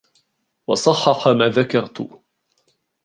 وَصَحَّحَ مَا ذَكَرْتُ